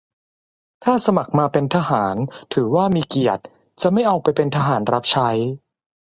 - ถ้าสมัครมาเป็นทหาร ถือว่ามีเกียรติ จะไม่เอาไปเป็นทหารรับใช้